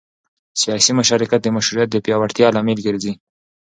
سیاسي مشارکت د مشروعیت د پیاوړتیا لامل ګرځي